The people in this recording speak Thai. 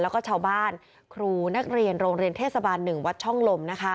แล้วก็ชาวบ้านครูนักเรียนโรงเรียนเทศบาล๑วัดช่องลมนะคะ